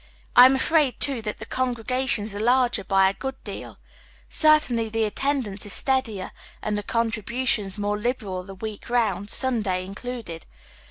I am afraid, too, that the congregations are larger by a good deal ; certainly the attendance is steadier and the contributions more liberal the week round, Sunday in eluded.